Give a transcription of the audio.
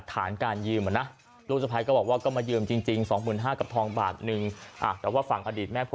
เขาบอกว่ายืมก่อนเดี๋ยวแม่คืนให้เดี๋ยวแม่คืนให้แต่เขามาหน้าร้านมาววยวายหน้าร้าน